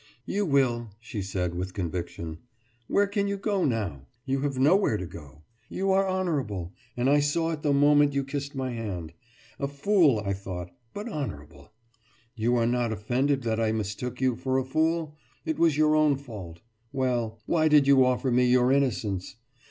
»You will,« she said with conviction. »Where can you go now? You have nowhere to go. You are honourable. I saw it the moment you kissed my hand. A fool, I thought, but honourable. You are not offended that I mistook you for a fool? It was your own fault. Well why did you offer me your innocence?